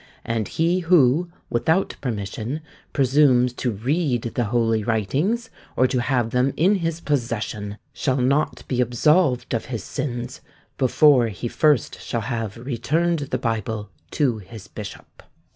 And he who, without permission, presumes to read the holy writings, or to have them in his possession, shall not be absolved of his sins before he first shall have returned the Bible to his bishop."